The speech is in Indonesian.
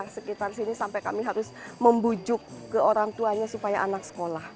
sekitar sini sampai kami harus membujuk ke orang tuanya supaya anak sekolah